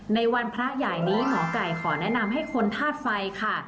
ในวันพระใหญ่นี้หมอไก่ขอแนะนำให้คนธาตุไฟค่ะ